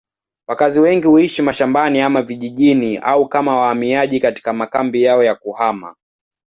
Wakazi wengi huishi mashambani ama vijijini au kama wahamiaji katika makambi yao ya kuhama.